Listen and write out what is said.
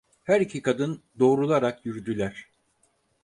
Her iki kadın doğrularak yürüdüler.